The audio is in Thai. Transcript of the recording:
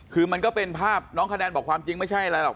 คือมันก็เป็นภาพน้องคะแนนบอกความจริงไม่ใช่อะไรหรอก